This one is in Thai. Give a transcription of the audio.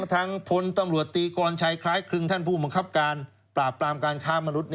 ทางพลตำรวจตีกรชัยคล้ายคลึงท่านผู้บังคับการปราบปรามการค้ามนุษย